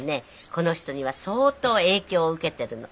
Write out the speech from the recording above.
この人には相当影響受けてるの。